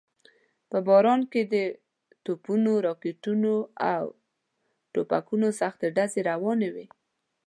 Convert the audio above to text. په باران کې د توپونو، راکټونو او ټوپکونو سختې ډزې روانې وې.